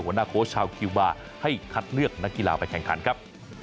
โค้ชชาวคิวบาร์ให้คัดเลือกนักกีฬาไปแข่งขันครับ